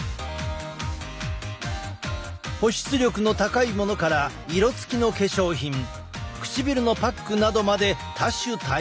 保湿力の高いものから色つきの化粧品唇のパックなどまで多種多様。